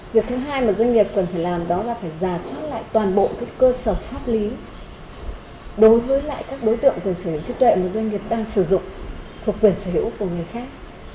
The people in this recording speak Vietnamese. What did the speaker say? việc thứ hai mà doanh nghiệp cần phải làm đó là phải giả soát lại toàn bộ cái cơ sở pháp lý đối với lại các đối tượng quyền sử dụng trí tuệ mà doanh nghiệp đang sử dụng thuộc quyền sử dụng của người khác